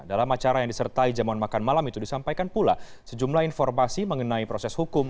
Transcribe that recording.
dalam acara yang disertai jamuan makan malam itu disampaikan pula sejumlah informasi mengenai proses hukum